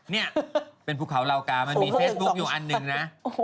นี่เป็นภูเขาเหล่ากามันมีเฟซบุ๊คอยู่อันหนึ่งนะ